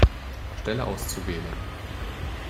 Stelle auszuwählen.